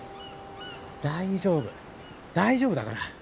大丈夫大丈夫だから。